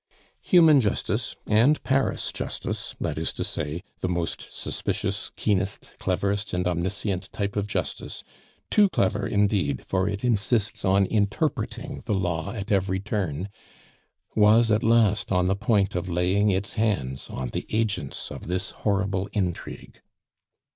Human justice, and Paris justice, that is to say, the most suspicious, keenest, cleverest, and omniscient type of justice too clever, indeed, for it insists on interpreting the law at every turn was at last on the point of laying its hand on the agents of this horrible intrigue.